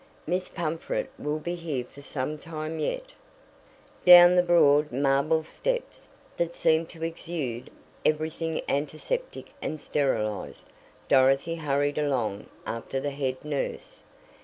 "Miss Pumfret will be here for some time yet." Down the broad marble steps, that seemed to exude everything antiseptic and sterilized, Dorothy hurried along after the head nurse.